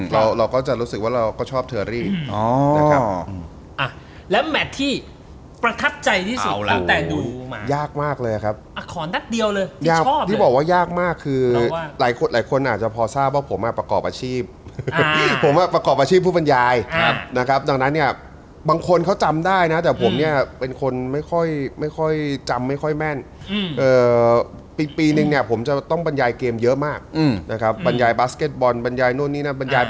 เราก็จะรู้สึกว่าเราก็ชอบเทอรี่